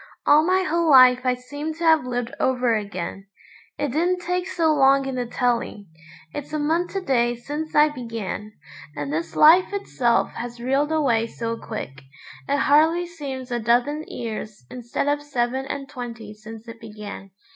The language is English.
All my whole life I seem to have lived over again. It didn't take so long in the telling; it's a month to day since I began. And this life itself has reeled away so quick, it hardly seems a dozen years instead of seven and twenty since it began.